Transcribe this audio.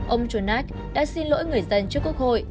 ông john nack đã xin lỗi người dân trước quốc hội